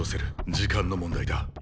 時間の問題だ。